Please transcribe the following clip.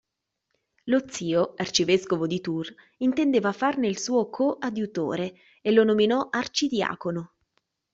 Lo zio, arcivescovo di Tours, intendeva farne il suo coadiutore e lo nominò arcidiacono.